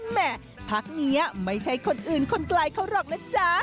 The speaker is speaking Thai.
แม่พักนี้ไม่ใช่คนอื่นคนไกลเขาหรอกนะจ๊ะ